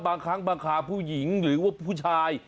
บางครั้งบางคราผู้หญิงหรือว่าผู้ชาย